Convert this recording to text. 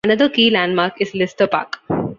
Another key landmark is Lister Park.